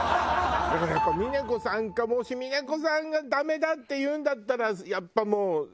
だからやっぱ峰子さんかもし峰子さんがダメだっていうんだったらやっぱもう。